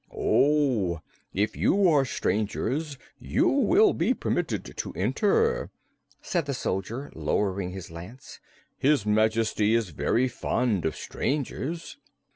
"Oh, if you are strangers you will be permitted to enter," said the soldier, lowering his lance. "His Majesty is very fond of strangers."